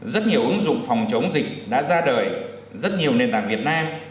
rất nhiều ứng dụng phòng chống dịch đã ra đời rất nhiều nền tảng việt nam